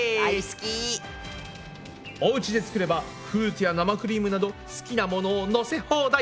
おうちで作ればフルーツや生クリームなど好きなものをのせ放題！